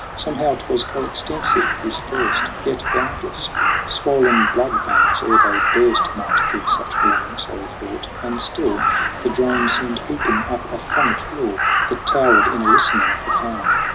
Somehow 'twas coextensive with his thirst, Yet boundless ; swollen blood veins ere they burst Might give such warning, so he thought. And still The drone seemed heaping up a phonic hill That towered in a listening profound.